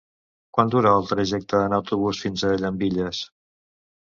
Quant dura el trajecte en autobús fins a Llambilles?